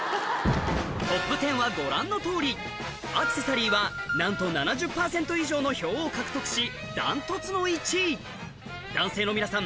トップ１０はご覧のとおりアクセサリーはなんと７０％以上の票を獲得し断トツの１位男性の皆さん